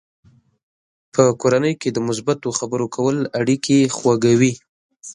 په کورنۍ کې د مثبتو خبرو کول اړیکې خوږوي.